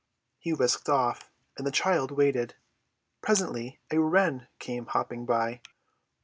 He whisked off, and the child waited. Presently a wren came hopping by.